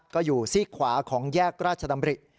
ก็อยู่ซีกขวาของแยกราชดำริ